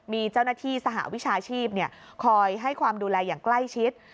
มีเจ้าหน้าที่สหวิชาชีพคอยให้ความดูแลอย่างใกล้ชิด